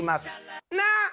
なっ！